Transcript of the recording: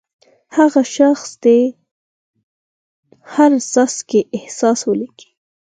هغه شخص دې د هر څاڅکي احساس ولیکي.